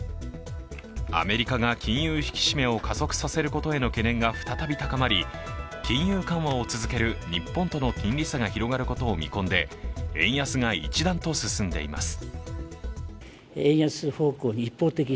アメリカが金融引き締めを加速させることへの懸念が再び高まり金融緩和を続ける日本との金利差が広がることを見込んで円安が一段と進んでいます。